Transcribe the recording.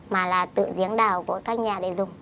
em chỉ có đảo của các nhà để dùng